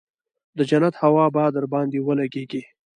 د جنت هوا به درباندې ولګېګي.